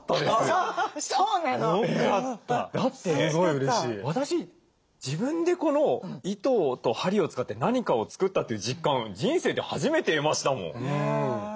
だって私自分でこの糸と針を使って何かを作ったっていう実感人生で初めて得ましたもん。